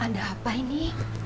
ada apa ini